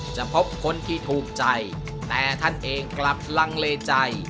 พบคนที่ถูกใจแต่ท่านเองกลับลังเลใจ